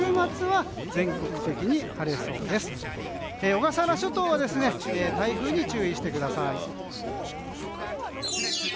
小笠原諸島は台風に注意してください。